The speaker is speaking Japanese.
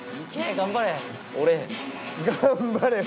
頑張れ俺。